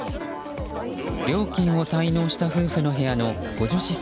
料金を滞納した夫婦の部屋の補助止水